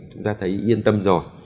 chúng ta thấy yên tâm rồi